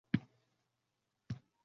Biladi, albatta, ulardan ziyodroq biladi.